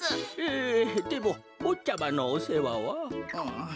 ええでもぼっちゃまのおせわは？